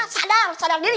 sadar sadar diri